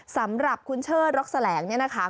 สำหรับคุณเชิดร็อกแสลงเนี่ยนะคะ